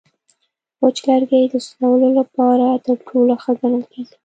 وچ لرګی د سوځولو لپاره تر ټولو ښه ګڼل کېږي.